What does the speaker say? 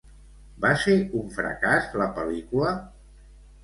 Va ser un fracàs la pel·lícula?